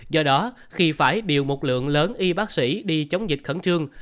do đó khi phải điều một lượng lớn y bác sĩ đi chống dịch khẩn trương